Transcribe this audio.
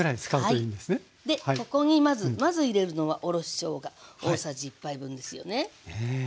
ここにまず入れるのはおろししょうが大さじ１杯分ですよね。